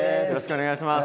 お願いします！